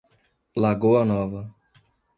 Lagoa Nova